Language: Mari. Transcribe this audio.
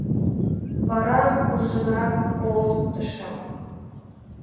Вара куржынак колтышым.